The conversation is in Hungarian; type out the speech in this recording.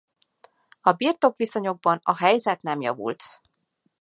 A birtokviszonyokban a helyzet nem javult.